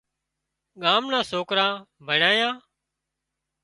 ڳام نان سوڪران ڀڻيان